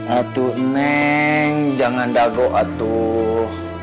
atuh neng jangan dagok atuh